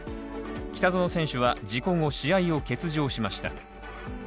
北園選手は、事故後試合を欠場しました。